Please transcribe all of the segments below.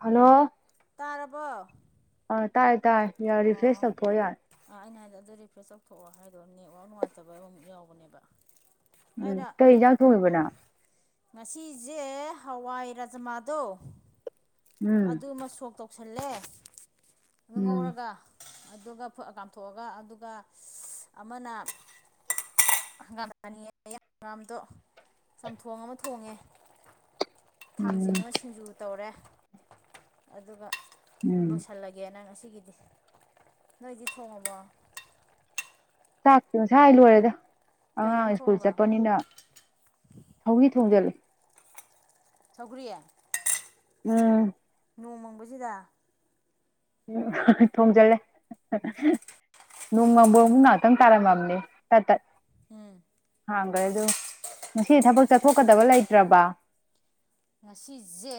hello ꯇꯥꯔꯕ ꯇꯥꯏ ꯇꯥꯏ ꯌꯥꯔ ꯔꯤꯐ꯭ꯔꯦꯁ ꯇꯧꯊꯑꯣ ꯌꯥꯔ ꯑꯗ ꯑꯗꯨ ꯔꯤꯐ꯭ꯔꯦꯁ ꯇꯧꯊꯣꯛꯑꯣ ꯍꯥꯏꯗꯣ ꯅꯦꯠꯋꯥꯛ ꯅꯨꯡꯉꯥꯏꯇꯕ ꯑꯃꯨꯛ ꯌꯥꯎꯕꯅꯦꯕ ꯎꯝ ꯑꯩꯅ ꯀꯩ ꯌꯦꯟꯖꯥꯡ ꯊꯣꯡꯉꯤꯕꯅꯣ ꯉꯁꯤꯁꯦ ꯍꯋꯥꯏ ꯔꯥꯖꯃꯥꯗꯣ ꯎꯝ ꯑꯗꯨꯃ ꯁꯣꯛ ꯇꯧ ꯇꯧꯁꯜꯂꯦ ꯑ ꯎꯝ ꯉꯧꯔꯒ ꯑꯗꯨꯒ ꯀꯥꯝꯊꯣꯛꯑꯒ ꯑꯗꯨꯒ ꯑꯃꯅ ꯍꯪꯒꯥꯝꯅꯤ ꯑ ꯑꯪꯥꯝꯗꯣ ꯆꯝꯊꯣꯡ ꯑꯃ ꯊꯣꯡꯉꯦ ꯎꯝ ꯊꯥꯡꯖꯟꯕ ꯁꯤꯡꯖꯨ ꯇꯧꯔꯦ ꯑꯗꯨꯒ ꯎꯝ ꯂꯣꯏꯁꯤꯜꯂꯒꯦ ꯅꯪ ꯉꯁꯤꯒꯤꯗꯤ ꯅꯣꯏꯗꯤ ꯊꯣꯡꯉꯕꯣ ꯆꯥꯛꯇꯁ ꯍꯥꯏ ꯂꯔꯦꯗ ꯀꯩ ꯏꯟꯖꯥꯡ ꯑꯉꯥꯡ ꯁ꯭ꯀꯨꯜ ꯊꯣꯡꯉꯕ ꯆꯠꯄꯅꯤꯅ ꯊꯧꯤ ꯊꯣꯡꯖꯤꯜꯂ ꯁꯒꯔꯤꯌꯥ ꯎꯝ ꯅꯣꯡꯃꯪꯕꯁꯤꯗ ꯎ ꯊꯣꯡꯖꯜꯂꯦ ꯅꯨꯡ ꯉꯝꯕ ꯑꯃꯨ ꯉꯍꯥꯛꯇꯪ ꯀꯥꯔꯝꯃꯝꯅꯦ ꯇ ꯇꯠ ꯎꯝ ꯈ꯭ꯔꯦ ꯑꯗꯨ ꯉꯁꯤꯗꯤ ꯊꯕꯛ ꯆꯠꯊꯣꯛꯀꯗꯕ ꯂꯩꯇ꯭ꯔꯕ ꯉꯁꯤꯁꯦ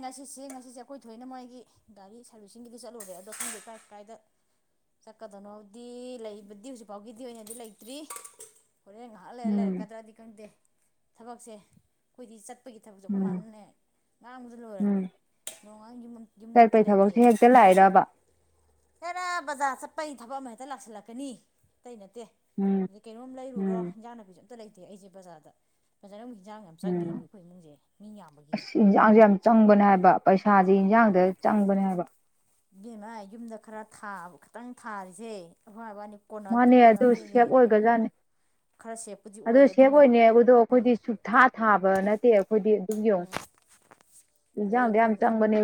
ꯉꯁꯤꯁꯦ ꯉꯁꯤꯁꯦ ꯑꯩꯈꯣꯏ ꯊꯣꯏꯅ ꯃꯣꯏꯒꯤ ꯒꯥꯔꯤ ꯁꯥꯔꯚꯤꯁꯁꯤꯡꯒꯤꯗꯤ ꯆꯠꯂꯨꯔꯦ ꯑꯗꯣ ꯑ ꯀꯀꯥꯏ ꯀꯥꯏꯗ ꯆꯠꯀꯗꯅꯣꯥꯎꯗꯤ ꯂꯩꯕꯗꯤ ꯍꯧꯖꯤꯛ ꯐꯥꯎꯒꯤꯗꯤ ꯑꯣꯏꯅꯗꯤ ꯂꯩꯇ꯭ꯔꯤ ꯍꯣꯔꯦꯟ ꯉꯥꯏꯍꯥꯛ ꯂꯩꯔ ꯎꯝ ꯂꯩꯔꯛꯀꯗ꯭ꯔꯗꯤ ꯈꯪꯗꯦ ꯊꯕꯛꯁꯦ ꯑꯩꯈꯣꯏꯗꯤ ꯆꯠꯄꯒꯤ ꯊꯕꯛ ꯆ ꯎꯝ ꯃꯥꯟꯦ ꯉꯥꯡꯕꯗ ꯎꯝ ꯂꯣꯏꯔꯝꯃꯦ ꯅꯣꯡꯉꯥꯡ ꯌꯨꯝꯗ ꯑꯝꯇ ꯆꯠꯄꯩ ꯊꯕꯛꯁꯦ ꯂꯩꯇꯦꯅ ꯍꯦꯛꯇ ꯂꯥꯛꯏꯔꯕ ꯐꯔꯕꯗꯁꯄꯩ ꯊꯕꯛ ꯑꯃ ꯍꯦꯛꯇ ꯂꯥꯛꯁꯤꯜꯂꯛꯀꯅꯤ ꯑꯇꯩ ꯅꯠꯇꯦ ꯎꯝ ꯑꯗꯩ ꯀꯩꯅꯣꯝ ꯂꯩꯔꯨꯔꯣ ꯎꯝ ꯏꯟꯖꯥꯡ ꯅꯥ ꯄꯤꯖ ꯑꯝꯇ ꯂꯩꯇꯦ ꯑꯩꯁꯦ ꯕꯖꯥꯔꯗ ꯕꯖꯥꯔ ꯑꯃꯛꯤꯟꯖꯥꯡ ꯌꯥꯝ ꯆꯪꯉꯤ ꯃꯤ ꯎꯝ ꯑꯩꯈꯣꯏ ꯏꯃꯨꯡꯁꯦ ꯃꯤ ꯌꯥꯝꯕꯒꯤ ꯑꯁ ꯏꯟꯁꯥꯡꯁꯦ ꯌꯥꯝ ꯆꯪꯕꯅꯦ ꯍꯥꯏꯕ ꯄꯩꯁꯥꯥꯁꯦ ꯏꯟꯁꯥꯡꯗ ꯆꯪꯕꯅꯦ ꯍꯥꯏꯕ ꯌꯦꯅ ꯌꯨꯝꯗ ꯈꯔ ꯊꯥꯕ ꯈꯤꯇꯪ ꯊꯥꯔꯤꯁꯦ ꯑꯐꯕꯥꯅꯤ ꯃꯥꯅꯦ ꯑꯗꯨ ꯁꯦꯞ ꯑꯣꯏꯒꯖꯥꯠꯅꯤ ꯈꯔ ꯁꯦꯞꯄꯨꯗꯤ ꯑꯗꯨ ꯑꯣꯏ ꯑꯗꯨꯅ ꯁꯦꯣꯏꯅꯦꯕꯗꯣ ꯑꯩꯈꯣꯏꯗꯤ ꯁꯨꯊꯥ ꯊꯥꯕ ꯅꯠꯇꯦ ꯌꯦꯣ ꯑꯗꯩ ꯏꯟꯖꯥꯡꯗ ꯌꯥꯝ ꯑꯩꯈꯣꯏ ꯆꯪꯕꯅꯦ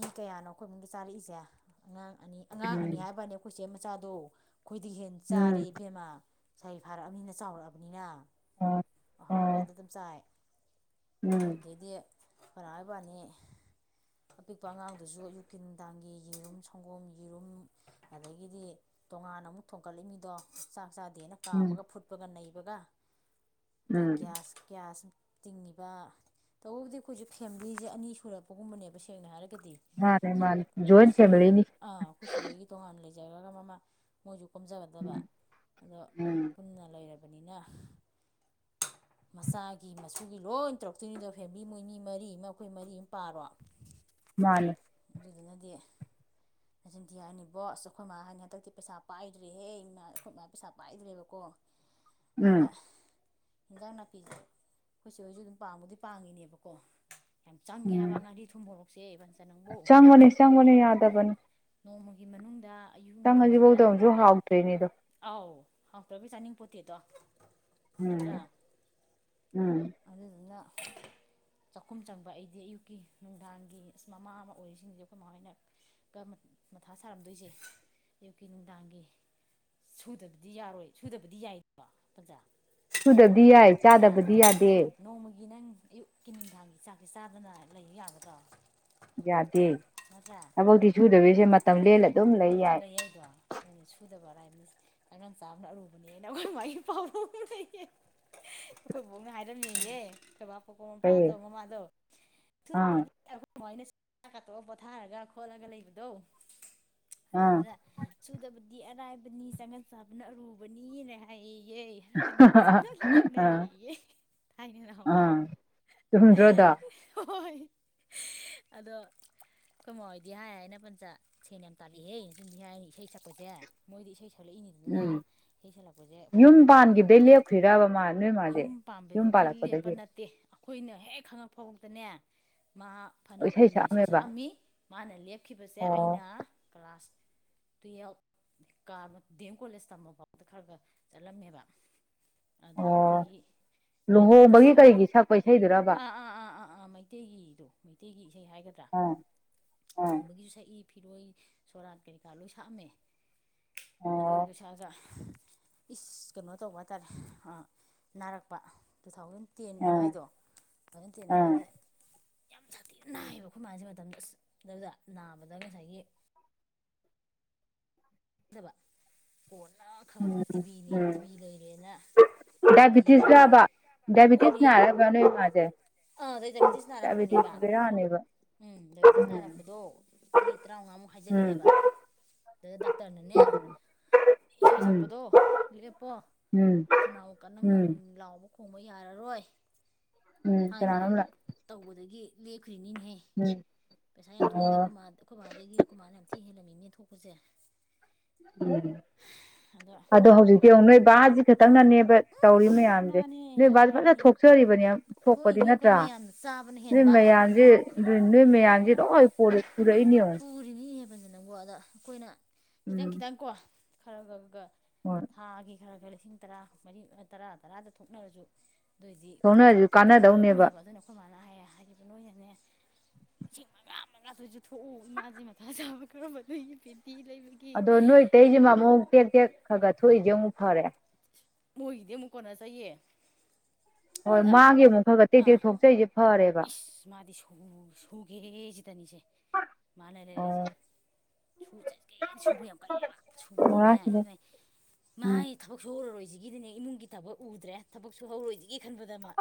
ꯃꯤ ꯀꯌꯥꯅꯣ ꯑꯩꯈꯣꯏ ꯃꯅꯨꯡꯗꯗ ꯆꯥꯔꯛꯏꯁꯦ ꯑꯉꯥꯡ ꯑꯅꯤ ꯑꯉꯥꯡ ꯎꯝ ꯑꯅꯤ ꯍꯥꯏꯕꯅꯤ ꯑꯩꯈꯣꯏꯁꯦ ꯃꯆꯥꯗꯣ ꯑꯩꯈꯣꯏꯗꯤ ꯍꯦꯟꯅ ꯎꯝ ꯆꯥꯔꯦ ꯕꯦꯃꯥ ꯁꯥꯩ ꯐꯥꯔꯛꯑꯕꯅꯤꯅ ꯆꯥꯎꯔꯛꯑꯕꯅꯤꯅ ꯑꯣ ꯑꯣ ꯑꯍꯥꯎꯕꯗ ꯑꯗꯨꯝ ꯆꯥꯏ ꯎꯝ ꯗꯒꯤꯗꯤ ꯀꯥꯥꯕꯥꯥꯅꯤ ꯑꯄꯤꯛꯄ ꯑꯉꯥꯡꯗꯨꯁꯨ ꯌꯨꯀꯤ ꯅꯨꯡꯗꯥꯡꯒꯤ ꯌꯦꯔꯨꯝ ꯁꯪꯒꯣꯝ ꯌꯦꯔꯨꯝ ꯑꯗꯒꯤꯗꯤ ꯇꯣꯉꯥꯟꯅ ꯑꯃꯨꯛ ꯊꯣꯡꯒꯠꯂꯤ ꯃꯤꯗꯣ ꯆꯥꯛ ꯃꯆꯥꯗꯦꯅ ꯎꯝ ꯄꯥꯝꯃꯒ ꯐꯨꯠꯄꯒ ꯅꯩꯕꯒ ꯑꯗꯩ ꯎꯝ ꯒ꯭ꯌꯥꯁ ꯒ꯭ꯌꯥꯁ ꯇꯤꯡꯉꯤꯕ ꯇꯧꯕꯕꯨꯗꯤ ꯑꯩꯈꯣꯏꯁꯨꯦ ꯐꯦꯃꯤꯂꯤꯁꯦ ꯑꯅꯤ ꯁꯨꯔꯛꯄꯒꯨꯝꯕꯅꯦꯕ ꯁꯦꯡꯅ ꯍꯥꯏꯔꯒ ꯃꯥꯅꯦ ꯃꯥꯅꯤꯣꯏꯅ ꯐꯦꯃꯤꯂꯤꯅꯤ ꯃ ꯃꯣꯏꯒꯗꯕ ꯎꯝ ꯑ ꯂꯩ ꯑꯣꯏꯕꯅꯤꯅ ꯃꯆꯥꯒꯤ ꯃꯁꯨꯒꯤ ꯂꯣꯏ ꯇꯧꯔꯛꯇꯣꯏꯅꯤꯗꯣ ꯐꯦꯃꯤꯂꯤ ꯃꯣꯏꯅꯤ ꯃꯔꯤ ꯑꯃ ꯑꯩꯈꯣꯏ ꯃꯔꯤ ꯑꯃ ꯄꯥꯔꯣ ꯃꯥꯅꯦ ꯑꯗꯨꯗꯨꯅꯗꯤ ꯅꯆꯟꯗꯤꯤ ꯍꯥꯏꯅꯤ ꯕꯣ ꯑꯁ ꯑꯩꯈꯣꯏ ꯃꯥ ꯍꯥꯏꯅꯤ ꯍꯟꯗꯛꯇꯤ ꯄꯩꯁꯥ ꯄꯥꯏꯗ꯭ꯔꯦꯍꯦ ꯏꯃ ꯑꯩꯈꯣꯏ ꯃꯥꯥ ꯄꯩꯁꯥ ꯄꯥꯏꯗ꯭ꯔꯦꯕꯀꯣ [unintelligible] ꯑꯗ ꯍꯟꯖꯥꯡ ꯅꯥꯄꯤꯁꯦ ꯑꯩꯈꯣꯏꯁꯨ ꯑꯩꯁꯨ ꯑꯗꯨꯝ ꯄꯥꯝꯕꯨꯗꯤ ꯄꯥꯡꯉꯤꯅꯦꯕꯀꯣ ꯌꯥꯝ ꯆꯪꯉꯦ ꯎꯝ ꯍꯥꯏꯕ ꯉꯥꯔꯤ ꯊꯨꯝꯍꯣꯔꯛꯁꯦ ꯏꯕ ꯆꯪꯕꯅꯤ ꯆꯪꯕꯅꯤ ꯌꯥꯗꯕꯅꯤ ꯅꯣꯡꯃꯒꯤ ꯃꯅꯨꯡꯗ ꯑꯌꯨꯛ ꯅꯨꯡꯊꯤꯟꯁꯤꯗ ꯆꯪꯉꯁꯤꯐꯧꯗ ꯑꯃꯁꯨ ꯍꯥꯎꯗ꯭ꯣꯏꯅꯤꯗꯣ ꯍꯥꯎ ꯄꯕꯤꯁꯥꯅꯤ ꯄꯣꯠꯇ ꯇꯣ ꯎꯝ ꯎꯝ ꯑꯗꯨꯗꯨꯅ [unintelligible] ꯆꯥꯛꯈꯨꯝ ꯆꯪꯕ ꯑꯩꯗꯤ ꯑꯌꯨꯛꯀꯤ ꯅꯨꯡꯗꯥꯡꯒꯤ ꯑ ꯃꯃꯥ ꯑꯃ ꯑꯣꯏꯔꯤꯁꯤꯡꯁꯦ ꯑꯩꯈꯣꯏ ꯃꯃꯣꯏꯅ ꯃꯊꯥ ꯁꯥꯔꯝꯗꯣꯏꯁꯦ ꯑꯌꯨꯛꯀꯤ ꯅꯨꯡꯗꯥꯡꯒꯤ ꯁꯨꯗꯕꯗꯤ ꯌꯥꯔꯣꯏ ꯁꯨꯗꯕꯗꯤ ꯌꯥꯏꯗꯣ ꯄ꯭ꯔꯖꯥ ꯁꯨꯗꯕꯗꯤ ꯌꯥꯏ ꯆꯥꯗꯕꯗꯤ ꯌꯥꯗꯦ ꯑꯩꯒꯤ ꯅꯪ ꯑꯌꯨꯛꯀꯤꯤꯟ ꯅꯨꯡꯗꯥꯡꯒꯤ ꯆꯥꯛꯁꯦ ꯆꯥꯗꯅ ꯂꯩꯕ ꯌꯥꯒꯗ꯭ꯔꯣ ꯌꯥꯗꯦ ꯅꯠꯇ꯭ꯔꯥ ꯊꯕꯛꯇꯤ ꯁꯨꯗꯕꯤꯁꯦ ꯃꯇꯝ ꯂꯦꯜꯂꯗꯤ ꯂꯩꯌꯦꯩꯕ ꯍꯥꯏꯗꯤ ꯁꯨꯗꯕ ꯑꯔꯥꯏ ꯑꯉꯥꯡ ꯆꯥꯕꯅ ꯑꯔꯨꯕꯅꯦꯅ ꯑꯩꯈꯣꯏ ꯃꯥꯒꯤ ꯄꯥꯎꯈꯣꯏ ꯊꯕꯣꯛꯅ ꯍꯥꯏꯔꯝꯃꯤꯍꯦ ꯊꯣꯏꯕꯥꯥꯛꯄꯣꯛꯀ ꯐꯩ ꯃꯄꯥꯗꯣ ꯃꯃꯥꯗꯣ ꯑꯥ ꯣꯏꯅ ꯆꯥꯛ ꯀꯥꯇꯣꯛ ꯄꯣꯊꯥꯔꯒ ꯈꯣꯠꯂꯒ ꯂꯩꯕꯗꯣ ꯑꯥ ꯑꯗꯨꯗꯨꯅ ꯁꯨꯗꯕꯗꯤ ꯑꯔꯥꯏꯕꯅꯤ ꯆꯪꯒꯟ ꯆꯥꯕꯅ ꯑꯔꯨꯕꯅꯤꯅ ꯍꯥꯏꯌꯦ ꯅꯨꯄꯤ ꯁꯨꯝꯅ ꯑꯥ ꯂꯛꯅꯔꯤꯌꯦꯌꯦ ꯊꯥꯏꯅ ꯅꯋꯥꯏ ꯊꯍꯨꯝꯟꯗ꯭ꯔꯗ ꯍꯣꯏ ꯑꯗꯣ ꯑꯩꯈꯣꯏ ꯃꯣꯣꯏꯗꯤ ꯍꯥꯏ ꯍꯥꯏꯅ ꯄꯖ ꯁꯦꯟ ꯌꯥꯝ ꯇꯥꯜꯂꯤꯛꯑꯍꯦ ꯁꯨꯝꯗꯤ ꯍꯥꯏꯅꯤ ꯏꯁꯩ ꯁꯛꯄꯁꯦ ꯃꯣꯏꯗꯤ ꯏꯁꯩ ꯁꯛꯦ ꯎꯝ ꯌꯨꯝ ꯃꯥꯗꯤ ꯄꯥꯟꯗꯩ ꯂꯦꯞꯈ꯭ꯔꯤꯗꯕ ꯃꯥꯁꯦ ꯌꯨꯝ ꯌꯨꯝ ꯄꯥꯝꯕꯗꯒꯤ ꯂꯦꯞꯄ ꯄꯥꯜꯂꯛꯄꯗꯒꯤ ꯅꯠꯇꯦ ꯑꯩꯈꯣꯏꯅ ꯍꯦꯛ ꯈꯉꯛꯐꯥꯎꯛꯇꯅꯦ ꯃꯥ ꯐꯅ ꯀꯨꯏꯅ ꯏꯁꯩ ꯁꯛꯑꯝꯃꯤ ꯃꯥꯅ ꯂꯦꯞꯈꯤꯕꯁꯦ ꯑꯣ ꯑꯩꯅ ꯀ꯭ꯂꯥꯁ ꯇꯨꯌꯦꯜꯐ ꯀꯥ ꯗꯤ ꯑꯦꯝ ꯀꯣꯂꯦꯖ ꯇꯝꯃ ꯐꯥꯎꯕꯗ ꯈꯔ ꯈꯔ ꯆꯠꯂꯝꯃꯦꯕ ꯑꯗ ꯑꯣ ꯑꯩꯈꯣꯏꯒꯤ ꯂꯨꯍꯣꯡꯕꯒꯤ ꯃꯥꯥꯏꯗꯥꯏꯕꯦꯇꯤꯁꯁꯦ ꯀꯔꯤꯒꯤ ꯁꯛꯄ ꯏꯁꯩꯗꯨꯔꯕ ꯑꯥ ꯑꯥ ꯑꯥ ꯑꯥ ꯑꯥ ꯃꯩꯇꯩꯒꯤꯗꯣ ꯃꯩꯇꯩ ꯃꯩꯇꯩꯒꯤ ꯏꯁꯩ ꯍꯥꯏꯒꯗ꯭ꯔꯥ ꯑꯥ ꯑꯥ ꯂꯨꯍꯣꯡꯕꯒꯤꯁꯨ ꯁꯛꯏ ꯐꯤꯔꯣꯏ ꯁꯣꯔꯥꯠ ꯀꯩꯀꯥ ꯂꯣꯏ ꯁꯥꯛꯑꯝꯃꯦ ꯑꯗꯨ ꯑꯣ ꯑꯗꯨ ꯁꯥ ꯏꯁ ꯀꯩꯅꯣ ꯇꯧꯕ ꯍꯥꯏ ꯇꯥꯔꯦ ꯅꯥꯔꯛꯄ ꯇꯨ ꯊꯥꯎꯖꯟ ꯇꯦꯟ ꯑꯥ ꯑꯗꯨꯋꯥꯏꯗꯣ ꯑꯗꯨꯅ ꯇꯦꯟ ꯑꯥ ꯑꯗꯨꯗꯥꯋꯥꯏꯗ ꯌꯥꯝ ꯁꯥꯊꯤꯅ ꯅꯥꯏꯌꯦꯕ ꯑꯩꯈꯣꯏ ꯃꯥꯁꯦ ꯃꯇꯝꯗꯨ ꯑꯗꯨꯗ ꯅꯥꯕꯗ ꯉꯁꯥꯏꯒꯤ ꯈꯪꯗꯕ ꯀꯣꯟꯅ ꯈꯪꯉꯛꯄ ꯎꯝ ꯇꯤꯚꯤꯅꯦꯅ ꯇꯤꯚꯤ ꯂꯩꯔꯦꯅ ꯇꯤꯕꯤ ꯒꯨꯂꯤ ꯗꯥꯏꯕꯤꯇꯤꯁꯕ ꯍꯣꯏꯅꯦ ꯗꯥꯏꯕꯤꯇꯤꯁꯅ ꯍꯥꯏꯔꯕ ꯅꯣꯏ ꯃꯥꯁꯦ ꯑꯥ ꯗꯥꯏꯕꯦꯇꯤꯁ ꯅꯥꯔꯛꯄꯅꯦꯕ ꯇꯕꯗꯤꯕꯤꯔꯥꯅꯦꯕ ꯎꯝ ꯗꯥꯏꯕꯦꯇꯤꯁ ꯅꯥꯔꯛꯄꯗꯣ ꯆꯍꯤ ꯇꯔꯥꯃꯉꯥꯃꯨꯛ ꯎꯝ ꯍꯥꯏꯖꯤꯜꯂꯛꯑꯦꯕ ꯇꯅꯅꯦ ꯏꯁꯩ ꯎꯝ ꯁꯛꯄꯗꯣ ꯂꯦꯞꯄꯣ ꯎꯝ ꯈꯅꯥꯎ ꯀꯟꯅ ꯎꯝ ꯉꯪ ꯂꯥꯎꯕ ꯊꯣꯡꯕ ꯌꯥꯔꯔꯣꯏ ꯎꯝ ꯍꯥꯏꯗꯅ ꯀꯅꯥꯅꯣꯝ ꯂꯥꯛ ꯇꯧꯕꯗꯒꯤ ꯂꯦꯞ ꯁꯀ꯭ꯔꯤꯅꯤꯡ ꯍꯥꯏ ꯎꯝ ꯄꯩꯁꯥ ꯌꯥꯝ ꯊꯣꯛꯣꯡꯝꯃꯦ ꯑꯣ ꯑꯩꯈꯣꯏ ꯃꯥ ꯑꯩꯈꯣꯏ ꯃꯥꯕꯥꯗꯒꯤ ꯑꯩꯈꯣꯏ ꯃꯥꯅ ꯌꯥꯝ ꯊꯤ ꯍꯦꯜꯂꯅꯤ ꯃꯤꯅꯤ ꯊꯣꯒꯖꯦ ꯎꯝ ꯑꯗꯣ ꯍꯧꯖꯤꯛꯇꯤ ꯑꯃꯨꯛ ꯅꯣꯏ ꯕꯥꯁꯤ ꯈꯛꯇꯪꯅꯅꯦꯕ ꯇꯧꯔꯤ ꯃꯌꯥꯝꯁꯦ ꯃꯥꯅꯦ ꯅꯣꯏ ꯕꯥꯁ ꯐꯖꯅ ꯆꯠꯂꯥꯏꯔꯤꯅꯦ ꯊꯣꯛꯆ ꯁꯔꯤꯕꯅꯤ ꯊꯣꯛꯄꯗꯤ ꯊꯣꯛꯏꯃꯤ ꯑꯩꯈꯣꯏ ꯅꯠꯇ꯭ꯔꯥ ꯑꯃ ꯌꯥꯝꯅ ꯆꯥꯕꯅ ꯑꯗꯨ ꯍꯦꯟꯕ ꯃꯌꯥꯝꯁꯦ ꯅꯣꯏ ꯃꯌꯥꯝꯖꯦ ꯂꯣꯏ ꯄꯨꯔꯦ ꯄꯨꯔꯛꯏꯅꯤ ꯌꯦꯡꯉꯨ ꯅꯪꯒꯣ ꯑꯗ ꯑꯩꯈꯣꯏꯅ ꯈꯤꯇꯪ ꯎꯝ ꯈꯤꯇꯪꯀꯣ ꯈꯔ ꯈꯔꯒ ꯍꯣꯏ ꯊꯥꯒꯤ ꯈꯔ ꯈꯔ ꯂꯤꯁꯤꯡ ꯇꯔꯥ ꯃꯔꯤ ꯇꯔꯥ ꯇꯔꯥꯗ ꯊꯣꯛꯅꯔꯁꯨ ꯑꯗꯨꯑꯣꯏꯗꯤ ꯁꯣꯡꯅꯔꯁꯨ ꯀꯥꯟꯅꯗꯧꯅꯦꯕ ꯍꯥꯏꯈꯤꯕ ꯅꯣꯏꯅꯅꯦ ꯏꯁꯤꯡ ꯃꯉꯥ ꯃꯉꯁꯨ ꯊꯣꯛꯎ ꯃꯥꯅꯥꯖꯤ ꯃꯊꯥ ꯆꯥꯕ ꯈꯔꯝꯕ ꯅꯣꯏ ꯑꯗꯣ ꯅꯣꯏꯇꯩꯁꯤꯃ ꯑꯃꯨ ꯇꯦꯛ ꯇꯦꯛ ꯈꯔ ꯈꯔ ꯊꯣꯛꯏꯁꯦ ꯑꯃꯨꯛ ꯐꯔꯦ ꯃꯣꯏꯒꯤꯗꯤ ꯑꯃꯨꯛ ꯀꯣꯟꯅ ꯆꯌꯦ ꯍꯣꯏ ꯃꯥꯒꯤꯦ ꯑꯃꯨꯛ ꯈꯔꯒ ꯇꯦꯛ ꯇꯦꯛ ꯊꯣꯛꯆꯔꯤꯁꯦ ꯐ ꯏꯁ ꯃꯥꯗꯤ ꯁꯨꯒꯦ ꯁꯤꯗꯅꯤꯁꯦ ꯃꯅꯔꯦꯅꯤꯁꯦ ꯑꯣ ꯁ ꯀꯩꯅ ꯁꯨꯕ ꯌꯥꯝ ꯀꯜꯂꯦꯕ ꯁꯨꯕꯗꯤꯅꯦ ꯏ ꯃꯣꯔꯥꯁꯤꯗ ꯅꯣꯏ ꯎꯝ ꯉꯥꯏ ꯊꯕꯛ ꯁꯣꯔꯔꯣꯏꯁꯤ ꯒꯤꯗꯤꯅꯦ ꯏꯃꯨꯡꯒꯤ ꯊꯕꯛ ꯎꯗ꯭ꯔꯦ ꯊꯕꯛꯁꯨ ꯍꯧꯔꯣꯏꯁꯤꯒꯦ ꯈꯟꯕꯗ ꯑꯃ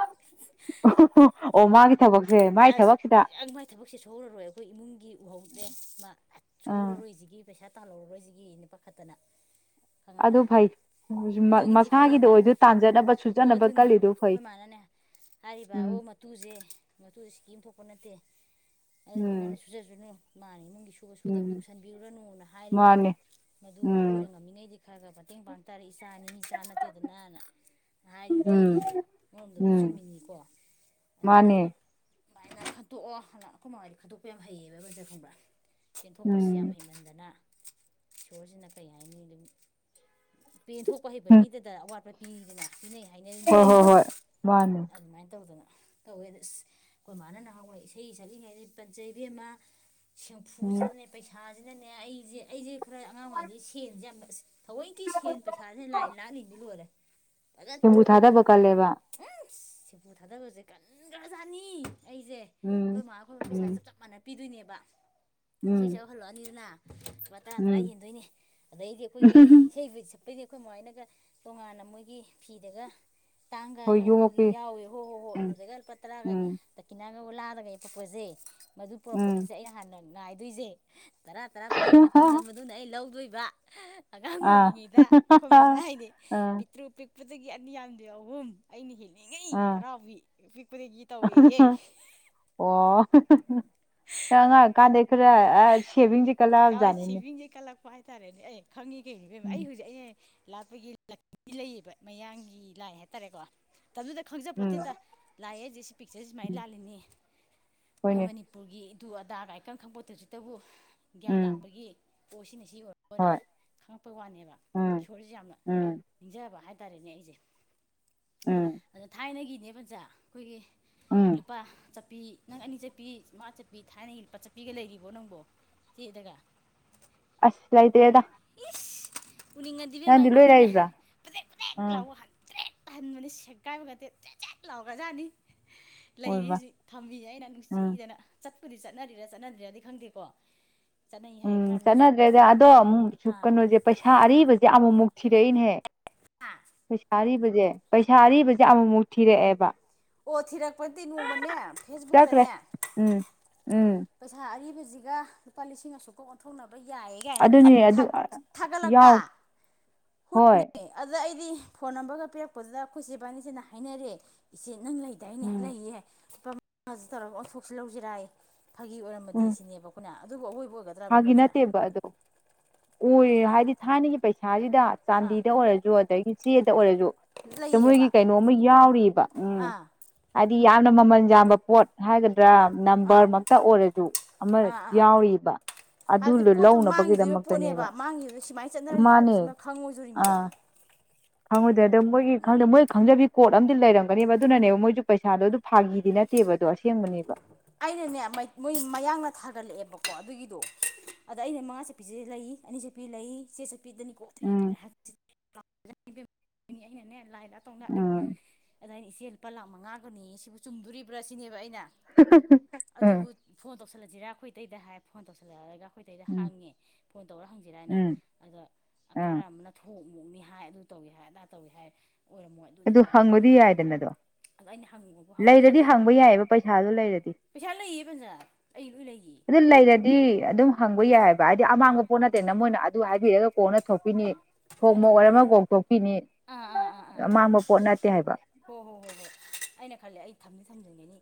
ꯑꯣ ꯃꯥꯒꯤ ꯊꯕꯛꯁꯦ ꯃꯥꯏ ꯊꯕꯛꯁꯤꯗ ꯌꯥꯝ ꯃꯥꯏ ꯊꯕꯛꯁꯦ ꯁꯧꯔꯔꯣꯏ ꯑꯩꯈꯣꯏ ꯏꯃꯨꯡꯒꯤ ꯎꯍꯧꯅꯦ ꯃꯥ ꯎꯝ ꯁꯧꯔꯔꯣꯏꯁꯤꯒꯤ ꯄꯩꯁꯥ ꯇꯥꯜꯍꯔꯔꯣꯏꯁꯤꯒꯤ ꯏ ꯅꯨꯄꯥꯈꯛꯇꯅ ꯈꯪꯉꯕ ꯑꯗꯨ ꯐꯩ ꯑꯗꯨꯒꯤꯗꯤ ꯃꯁꯥꯒꯤꯗ ꯐꯩꯌꯦꯕ ꯑꯣꯏꯁꯨ ꯇꯥꯟꯖꯅꯕ ꯑꯣ ꯁꯨꯖꯅꯕ ꯑꯗꯨꯅꯦ ꯀꯜꯂꯤꯗꯨ ꯐꯩ ꯑꯩꯈꯣꯏ ꯏ ꯃꯥꯅꯅꯦ ꯍꯥꯏꯔꯤꯕ ꯎꯝ ꯑꯣ ꯃꯇꯨꯁꯦ ꯃꯨꯗ ꯏꯁꯀꯤꯦꯝ ꯊꯣꯛꯄ ꯅꯠꯇꯦ ꯎꯝ ꯑꯗꯨꯗꯨꯅꯅꯦ ꯁꯨꯖ ꯁꯨꯅꯨ ꯃꯥꯅꯤ ꯏꯃꯨꯡꯒꯤ ꯁꯨꯕ ꯁꯨꯗꯕꯗ ꯎꯝ ꯎꯁꯟꯕꯤꯔꯨꯔꯅꯨꯅ ꯍꯥꯏꯔꯤꯕ ꯃꯥꯅꯦ ꯃꯗꯨ ꯑꯩꯈꯣꯏꯅ ꯎꯝ ꯉꯝꯃꯤꯉꯩꯗꯤ ꯈꯔ ꯈꯔ ꯃꯇꯦꯡ ꯄꯥꯡꯇꯥꯔꯦ ꯏꯆꯥꯅꯤꯆꯥ ꯅꯠꯇꯦꯗꯅꯅ ꯍꯥꯏꯔꯤꯌꯦꯦ ꯎꯝ ꯃꯣꯝꯗꯕꯨꯗꯤ ꯎꯝ ꯆꯨꯝꯃꯤꯅꯤꯀꯣ ꯑꯗꯨꯅ ꯃꯥꯅꯦ ꯑꯗꯨꯃꯥꯏꯅ ꯈꯠꯇꯣꯛꯑꯣꯅ ꯑꯩꯈꯣꯏ ꯃꯉꯥꯏꯗ ꯈꯠꯇꯣꯛꯄ ꯌꯥꯝ ꯍꯩꯌꯦꯕ ꯃꯟꯖ ꯈꯪꯕ꯭ꯔꯥ ꯇꯦꯟꯊꯣꯛꯄꯁꯤ ꯌꯥꯝ ꯎꯝ ꯍꯩꯃꯟꯗꯅ ꯏꯁꯣꯔꯁꯤꯅ ꯀꯩ ꯍꯥꯏꯅꯤ ꯑꯗꯨꯝ ꯄꯦꯟꯊꯣꯛꯄ ꯍꯩꯕ ꯃꯤꯗꯨꯗ ꯑꯋꯥꯠꯄ ꯄꯤꯗꯅ ꯄꯤꯅꯩ ꯍ ꯍꯥꯏꯅꯔꯤꯅꯦꯕ ꯍꯣ ꯍꯣꯏ ꯋꯥꯅꯦ ꯑꯗꯨꯃꯥꯏꯅ ꯇꯧꯗꯅ ꯇꯧꯋꯦ ꯑꯁ ꯈꯣꯏ ꯃꯥꯅ ꯅꯍꯥꯟꯋꯥ ꯏꯁꯩ ꯁꯛꯂꯤꯉꯩꯗ ꯄꯟꯆ ꯏꯕꯦꯃ ꯎꯝ ꯁꯦꯡꯐꯨꯁꯤꯗꯅꯦ ꯄꯩꯁꯥꯁꯤꯅꯅꯦ ꯑꯩꯁꯦ ꯑꯩꯁꯦ ꯈꯔ ꯑꯉꯥꯡ ꯑꯣꯏꯉꯩ ꯁꯦꯟꯁꯦ ꯌꯥꯝ ꯑꯁ ꯊꯑꯣꯏꯀꯤ ꯁꯦꯟ ꯄꯩꯁꯥꯥꯁꯦ ꯂꯥꯏ ꯂꯥꯠꯂꯤꯅꯤ ꯂꯣꯏꯔꯦ ꯕꯨꯨ [inaudible] ꯊꯥꯗꯕ ꯀꯜꯂꯦꯕ ꯁꯦꯕꯨꯨ ꯊꯥꯗꯕꯁꯦ ꯀꯟ ꯒ꯭ꯔꯖꯥꯠꯅꯤ ꯑꯩꯁꯦ ꯎꯝ ꯑꯩꯈꯣꯏꯃꯥ ꯑꯩꯈꯣꯏꯕ ꯄꯩꯁꯥꯁꯦ ꯎꯝ ꯆꯞ ꯆꯞ ꯃꯥꯟꯅ ꯄꯤꯗꯣꯏꯅꯦꯕ ꯏꯁꯩ ꯎꯝ ꯁꯛ ꯍꯜꯂꯛꯑꯅꯤꯗꯅ ꯂꯨꯄꯥ ꯇꯔꯥ ꯇꯔꯥ ꯎꯝ ꯌꯦꯟꯗꯣꯏꯅꯦ ꯑꯗꯩꯗꯤ ꯑꯩꯈꯣꯏꯒꯤ ꯏꯁꯩꯕꯨ ꯑꯗꯩꯗꯤ ꯈꯣꯏ ꯃꯃꯥꯏꯅꯒ ꯇꯣꯉꯥꯟꯅ ꯃꯣꯏꯒꯤ ꯐꯤꯗꯒ ꯇꯥꯡꯒ ꯍꯣꯏ ꯌꯣꯃꯛꯄꯒꯤ ꯌꯣꯝꯃꯛꯄꯤ ꯌꯥꯎꯋꯦ ꯍꯣꯏ ꯍꯣ ꯍꯣ ꯎꯝ ꯑꯗꯨꯗꯃ ꯂꯨꯕ ꯇꯔꯥꯒ ꯎꯝ ꯗꯀꯤꯅ ꯅꯪꯉ ꯂꯥꯗꯒꯩ ꯑꯩ ꯄꯛꯄꯁꯦ ꯃꯗꯨ ꯎꯝ ꯄꯔꯛꯄꯅꯤꯁꯦ ꯑꯩꯅ ꯍꯥꯟꯅ ꯉꯥꯏꯗꯣꯏꯁꯦ ꯇꯔꯥ ꯇꯔꯥ ꯄꯤꯔ ꯃꯇꯨꯡꯗ ꯃꯗꯨꯅ ꯑꯩ ꯂꯧꯗꯣꯏꯕ ꯑꯉꯥꯡ ꯑꯥ ꯑꯣꯏꯔꯤꯉꯩꯗ ꯑꯩꯈꯣꯏ ꯃꯥꯅ ꯍꯥꯏꯗꯤ ꯑꯥ ꯄꯤꯛꯇ꯭ꯔꯨꯛ ꯄꯤꯛꯄꯗꯒꯤ ꯑꯅꯤ ꯌꯥꯝꯗ ꯑꯍꯨꯝ ꯑꯩꯅ ꯍꯦꯜꯂꯤꯉꯩ ꯍꯔꯥꯎꯕꯤ ꯄꯤꯛꯄꯗꯒꯤ ꯇꯧꯋꯦꯌꯦ ꯋꯥ ꯆꯉ ꯀꯥꯟꯗꯔꯦ ꯁꯦꯕꯤ ꯑ ꯁꯤꯚꯤꯡꯁꯦ ꯀꯜꯂꯛꯄ ꯍꯥꯏꯇꯥꯔꯦꯅꯦ ꯑꯦ ꯈꯪꯉꯤ ꯀꯩ ꯑꯩ ꯎꯝ ꯍꯧꯖꯤꯛ ꯑꯩ ꯂꯥꯠꯄꯒꯤ ꯂ ꯂꯩꯌꯦꯕ ꯃꯌꯥꯡꯒꯤ ꯂꯥꯏ ꯍꯥꯏꯇꯥꯔꯦꯀꯣ ꯇ ꯑꯗꯨꯗ ꯎꯝ ꯈꯪꯖꯄꯣꯠꯇꯩꯗ ꯂꯥꯛꯑꯦꯁꯦ ꯁꯤ ꯄꯤꯛꯆꯔꯁꯦ ꯁꯨꯃꯥꯏꯅ ꯎꯝ ꯂꯥꯜꯂꯤꯅꯦ ꯑꯩꯈꯣꯏ ꯍꯣꯏꯅꯦ ꯃꯅꯤꯄꯨꯔꯒꯤ ꯑꯗꯨ ꯑꯗꯥꯒ ꯏꯀꯪ ꯈꯪꯄꯗꯁꯤꯇꯕꯨ ꯒ꯭ꯌꯥꯟ ꯎꯝ ꯂꯥꯛꯄꯒꯤ ꯄ ꯁꯤꯅꯤ ꯁꯤ ꯑꯣꯏꯔ ꯑꯣꯏꯔꯦ ꯍꯣꯏ ꯈꯪꯉꯛꯄꯩ ꯋꯥꯅꯦꯕ ꯎꯝ ꯏꯁꯍꯣꯔꯁꯤ ꯌꯥꯝꯅ ꯎꯝ ꯅꯤꯡꯖꯕ ꯍꯥꯏ ꯍꯥꯏꯇꯥꯔꯦꯅꯦ ꯑꯩꯁꯦ ꯎꯝ ꯑꯗ ꯊꯥꯏꯅꯒꯤꯅꯦ ꯄꯖꯥ ꯈꯣꯏꯒꯤ ꯎꯝ ꯂꯨꯄꯥ ꯆꯠ ꯆꯠꯄꯤ ꯅꯪ ꯑꯅꯤ ꯆꯠꯄꯤ ꯃꯥ ꯆꯠꯄꯤ ꯊꯥꯏꯅꯒꯤ ꯂꯨꯄ ꯆꯠꯄꯤꯒ ꯂꯩꯔꯤꯕꯣ ꯅꯪꯕꯣ ꯇꯦꯗꯒ ꯑꯁ ꯂꯩꯇ꯭ꯔꯦꯗ ꯏꯁ ꯎꯅꯤꯡꯉꯗꯤꯕꯦꯝꯃ ꯅꯪꯗꯤ ꯂꯣꯏ ꯑꯩꯉꯣꯟꯗꯅꯦ ꯂꯩꯕ꯭ꯔꯥ ꯄꯦꯗꯦꯛ ꯄꯦꯗꯦꯛ ꯎꯝ ꯂꯥꯎꯕ ꯍꯟꯇ꯭ꯔꯦ ꯃ [inaudible] ꯁꯦꯒꯥꯏꯕꯒ ꯆ ꯂꯥꯎꯒꯖꯥꯅꯤ ꯑꯣꯏꯕ ꯂꯩꯔꯤꯁꯤ ꯊꯝꯃꯤꯌꯦ ꯑꯩꯅ ꯎꯝ ꯅꯨꯡꯁꯤꯗꯅ ꯆꯠ ꯀꯨꯗꯤ ꯆꯠꯅꯔꯤꯔꯥ ꯆꯠꯅꯗ꯭ꯔꯤꯔꯗꯤ ꯈꯪꯗꯦꯀꯣ ꯎꯝ ꯆꯠꯅꯗ꯭ꯔꯦꯗ ꯑꯗꯣ ꯑꯃꯨꯛ ꯁ ꯑꯥ ꯀꯩꯅꯣꯁꯦ ꯄꯩꯁꯥ ꯑꯔꯤꯕꯁꯦ ꯑꯃꯨꯛꯃꯨꯛ ꯊꯤꯔꯛꯏꯅꯦꯍ ꯄꯩꯁꯥ ꯑꯔꯤꯕꯁꯦ ꯄꯩꯁꯥ ꯑꯔꯤꯕꯁꯦ ꯑꯃꯃꯨꯛ ꯊꯤꯔꯛꯑꯦꯕ ꯑꯣ ꯊꯤꯔꯛꯄ ꯅꯠꯇꯦ ꯅꯣꯡꯃꯅꯦ ꯆꯠꯈ꯭ꯔꯦ ꯐꯦꯁꯕꯨꯛꯇꯅꯦ ꯎꯝ ꯎꯝ ꯄꯩꯁꯥ ꯑꯔꯤꯕ ꯒ ꯂꯨꯄꯥ ꯂꯤꯁꯤꯡ ꯑꯁꯨꯛꯀ ꯑꯣꯟꯊꯣꯛꯅꯕ ꯌꯥꯌꯦ ꯒꯥꯏꯅ ꯑꯗꯨꯅꯦ ꯑꯗꯨ ꯊꯥꯒꯠꯂꯛꯄ ꯌꯥꯎ ꯍꯣꯏ ꯀꯔꯤ ꯐꯣꯟ ꯅꯝꯕ꯭ꯔꯒ ꯄꯤꯔꯛꯄꯗꯨꯗ ꯑꯩꯈꯣꯏ ꯆꯦ ꯏꯕꯥꯟꯅꯤꯁꯤꯅ ꯍꯥꯏꯅꯔꯦ ꯏꯆꯦ ꯅꯪ ꯂꯩꯗꯥꯏꯅ‌ꯦ ꯎꯝ ꯂꯩꯌꯦ ꯂꯨꯄꯥ ꯃꯉꯥꯁꯨ ꯇꯧꯔꯒ ꯑꯣꯟꯊꯣꯛꯁꯤ ꯂꯧꯁꯤꯔꯥꯌ‌ꯦ ꯐꯥꯒꯤ ꯑꯣꯏꯔꯝꯃꯗꯤ ꯁꯤꯅꯦꯕ ꯑꯩꯈꯣꯏꯅ ꯑꯗꯨꯕꯨ ꯑꯩꯈꯣꯏ ꯐꯒꯤ ꯅꯠꯇꯦꯕ ꯑꯗꯣ ꯑꯣꯏ ꯐꯥꯒꯤ ꯍꯥꯏꯗꯤ ꯊꯥꯏꯅꯒꯤ ꯄꯩꯁꯥꯁꯤꯗ ꯑꯥ ꯆꯥꯟꯗꯤꯗ ꯑꯣꯏꯔꯁꯨ ꯑꯗꯒꯤ ꯆꯦ ꯇ ꯑꯣꯏꯔꯁꯨ ꯃꯣꯏꯒꯤ ꯂꯩꯌꯦꯕ ꯀꯩꯅꯣ ꯑꯃ ꯌꯥꯎꯔꯤꯕ ꯎꯝ ꯑꯥ ꯍꯥꯏꯗꯤ ꯌꯥꯝꯅ ꯃꯃꯜ ꯌꯥꯝꯕ ꯄꯣꯠ ꯍꯥꯏꯒꯗ꯭ꯔꯥ ꯑꯥ ꯑꯥ ꯅꯝꯕꯔ ꯃꯛꯇ ꯑꯣꯏꯔꯁꯨ ꯑꯃ ꯑꯥ ꯑꯥ ꯌꯥꯎꯔꯤꯕ ꯑꯗꯨ ꯍꯥꯏꯕꯗꯤ ꯄꯣꯠꯇꯣ ꯃꯥꯡꯈꯤꯗꯣꯏꯕ ꯄꯣꯠꯅꯦꯕ ꯂꯧꯅꯕꯒꯤꯗꯃꯛꯇꯅꯦꯕ ꯃꯥꯡꯈꯤꯕ ꯁꯨꯃꯥꯏꯅ ꯆꯠꯅꯔꯝꯃꯤ ꯍꯥꯏꯕꯁꯤꯃ ꯈꯪꯉꯨꯗꯣꯔꯤꯅꯤꯗꯣ ꯈꯪꯉ‌ꯣꯏꯗꯦꯏ ꯑꯗꯣ ꯃꯣꯏꯒꯤꯗ ꯃꯣꯏ ꯈꯪꯖꯕꯤ ꯀꯣꯗ ꯑꯃꯗꯤ ꯂꯩꯔꯝ ꯅꯦꯕ ꯑꯗꯨꯅꯅꯦꯕ ꯃꯣꯏꯁꯨ ꯄꯩꯁꯥꯗꯣ ꯑꯗꯨ ꯐꯥꯒꯤꯗꯤ ꯅꯠꯇꯦꯕ ꯑꯗꯨ ꯑꯁꯦꯡꯕꯅꯦꯕ ꯑꯩꯅꯅꯦ ꯃꯣꯏ ꯃꯌꯥꯡꯅ ꯊꯥꯒꯠꯂꯛꯑꯦꯕꯀꯣ ꯑꯗꯨꯒꯤꯗꯣ ꯑꯗ ꯑꯩꯅ ꯃꯉꯥ ꯆꯠꯄꯤꯁꯦ ꯂꯩ ꯑꯅꯤ ꯆꯠꯄꯤ ꯂꯩ ꯆꯦ ꯆꯠꯄꯤꯗꯅꯤꯀꯣ ꯎꯝ ꯑꯩꯅꯅꯦ ꯂꯥꯏ ꯂꯥꯛ ꯇꯧ ꯂꯥꯠꯂꯤꯅꯤ ꯎꯝ ꯑꯗ ꯑꯩꯅꯥ ꯏꯁ ꯏꯆꯦ ꯂꯨꯄꯥ ꯂꯥꯛ ꯃꯉꯥꯒꯅꯤ ꯁꯤꯕꯨ ꯆꯨꯝꯗꯣꯔꯤꯕ꯭ꯔꯥ ꯁꯤꯅꯦꯕ ꯑꯩꯅ ꯑꯗꯨꯕꯨ ꯎꯝ ꯐꯣꯟ ꯇꯧꯁꯜꯂꯖꯤꯔꯥ ꯑꯩꯈꯣꯏ ꯏꯇꯩꯗ ꯍꯥꯏ ꯐꯣꯟ ꯇꯧꯁꯜꯂꯔꯒ ꯑꯩꯈꯣꯏ ꯏꯇꯩꯗ ꯎꯝ ꯍꯪꯉꯦ ꯐꯣꯟ ꯇꯧꯔ ꯍꯪꯁꯤꯔꯥ ꯍꯥꯏꯅ ꯎꯝ ꯑꯗ ꯑꯥ ꯈꯔ ꯑꯃꯅ ꯊꯣꯛ ꯃꯛꯅꯤ ꯍꯥꯏ ꯑꯗꯨ ꯇꯧꯏ ꯍꯥꯏ ꯑꯗꯥ ꯇꯧꯏ ꯍꯥꯏ ꯑꯣꯏꯔꯝꯃꯣꯏ ꯑꯗꯨꯅꯤ ꯑꯗꯨ ꯑꯗꯥꯏꯕ ꯍꯪꯕꯗꯤ ꯌꯥꯏꯗꯅꯗꯣ ꯑꯗ ꯑꯩꯅ ꯍꯪꯉꯨꯕꯕꯨ ꯍꯪꯉꯨ ꯂꯩꯔꯗꯤ ꯌꯥꯗꯦ ꯍꯪꯕ ꯌꯥꯏꯑꯕ ꯄꯩꯁꯥꯗꯣ ꯂꯩꯔꯗꯤ ꯄꯩꯁꯥ ꯂꯩꯌꯦ ꯄꯩꯁꯥ ꯑꯗꯨ ꯂꯩꯔꯗꯤ ꯑꯗꯨꯝ ꯍꯪꯕ ꯌꯥꯏ ꯍꯥꯏꯕ ꯍꯥꯏꯗꯤ ꯑꯥ ꯑꯃꯥꯡꯕ ꯄꯣꯠ ꯅꯠꯇꯦꯅ ꯃꯣꯏꯅ ꯑꯗꯨ ꯍꯥꯏꯕꯤꯔꯒ ꯀꯣꯛ ꯑ‌ꯣꯟꯅ ꯊꯣꯛꯄꯤꯅꯤ ꯑꯥ ꯑꯣꯟꯅ ꯊꯣꯛꯃ‌ꯣꯛ ꯊꯣꯛꯄꯤꯅꯤ ꯑ‌ꯣꯏꯔꯝꯃꯥ ꯀꯣꯛ ꯇ‌ꯣꯛꯄꯤꯅꯤ ꯑꯥ ꯑꯥ ꯑꯥ ꯑꯥ ꯍꯣ ꯍꯣ ꯍꯣꯏ ꯍꯣꯏ ꯑꯩꯅ ꯈꯜꯂꯦ ꯑꯩ ꯊꯝꯗꯤ ꯊꯝꯖꯟꯒꯅꯤ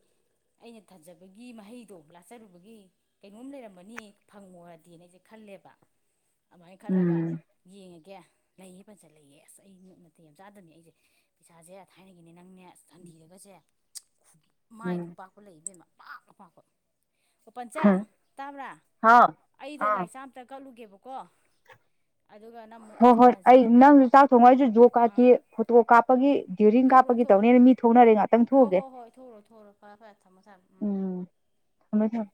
ꯑꯩꯅ ꯊꯝꯖꯕꯒꯤ ꯃꯍꯩꯗꯣ ꯂꯥꯠꯆꯔꯨꯕꯒꯤ ꯀꯩꯅꯣꯝ ꯂꯩꯔꯝꯃꯅꯤ ꯐꯪꯉꯨꯔꯨꯔꯗꯤꯅ ꯑꯩꯁꯦ ꯈꯜꯂꯤ ꯂꯦꯕ [inaudible] ꯑꯗꯨꯃꯥꯏ ꯈꯜꯂꯒ ꯎꯝ ꯌꯦꯡꯒꯦ ꯂꯩꯌꯦ ꯐꯖꯅ ꯂꯩꯌꯦ ꯑꯁ ꯑꯩ ꯅꯛ ꯅꯠꯇꯩ ꯌꯥꯝ ꯆꯥꯗꯝꯅꯤ ꯑꯩꯁꯦ ꯄꯩꯁꯥꯁꯦ ꯊꯥꯏꯅꯒꯤꯅꯦ ꯅꯪꯅꯦ ꯑꯁ ꯒꯥꯟꯗꯤꯗꯒꯁꯦ ꯃꯥꯏꯃꯨꯛ ꯎꯝ ꯄꯥꯛꯄ ꯂꯩꯌ‌ꯦ ꯑꯄꯥꯛ ꯑꯄꯥꯛꯄ ꯑꯣ ꯄꯟꯆꯥ ꯇꯥꯕ꯭ꯔꯥ ꯍꯥꯎ ꯑꯩꯗꯣ ꯑꯥ ꯂꯥꯏ ꯆꯥꯛ ꯑꯝꯇ ꯀꯠꯂꯨꯒꯦꯕꯀꯣ ꯀꯣ ꯍꯣꯏ ꯍꯣꯏ ꯑꯩ ꯅꯪ ꯆꯥꯛ ꯊꯣꯡꯉ‌ꯣ ꯑꯩꯁꯨ ꯖꯣꯕ ꯀꯥ꯭ꯔꯗꯀꯤ ꯐꯣꯇꯣ ꯀꯥꯞꯄꯒꯤ ꯗ꯭ꯌꯨꯔꯤꯡ ꯊ‌ꯣꯛꯎꯔ‌ꯣ ꯀꯥꯞꯄꯒꯤ ꯊꯣꯛꯎꯔꯣ ꯇꯧꯅꯦꯅ ꯃꯤ ꯊꯣꯛꯅꯔꯦ ꯉꯥꯛꯇꯪ ꯍꯣ ꯊꯣꯛꯎꯒꯦ ꯍꯣ ꯍꯣꯏ ꯊꯝꯃ‌ꯦ ꯊꯝꯃ‌ꯦ ꯐꯔꯦ ꯐꯔꯦ ꯊꯝꯃ‌ꯦ ꯊꯝꯃ‌ꯦ ꯎꯝ ꯊꯝꯃꯦ ꯊꯝꯃꯦ